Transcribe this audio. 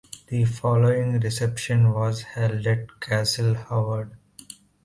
The following reception was held at Castle Howard.